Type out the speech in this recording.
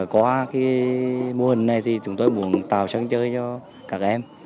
qua mô hình này chúng tôi muốn tạo sáng chơi cho các em